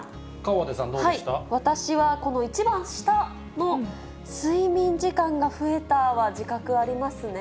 私は、この一番下の、睡眠時間が増えたは、自覚ありますね。